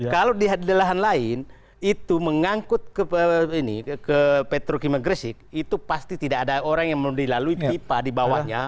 kalau di lahan lain itu mengangkut ke petro kimia gresik itu pasti tidak ada orang yang dilalui pipa di bawahnya